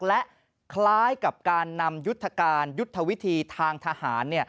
และคล้ายกับการนำยุทธการยุทธวิธีทางทหาร